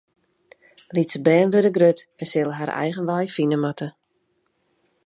Lytse bern wurde grut en sille har eigen wei fine moatte.